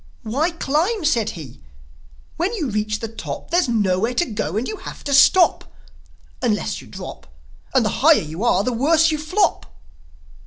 "Why climb?" said he. "When you reach the top There's nowhere to go, and you have to stop, Unless you drop. And the higher you are the worse you flop."